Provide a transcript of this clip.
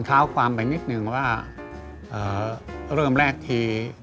ด้วยลมพันธุ์ด้วยลมพันธุ์